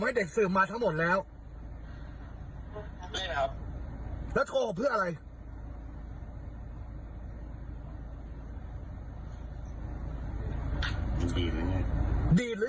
ผิดให้เต็มได้เลยแต่พี่ไม่เคยทำให้ใครเด็ดร้อน